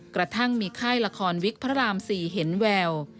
กระทั่งมีค่ายละครวิกพระราม๔เห็นแวว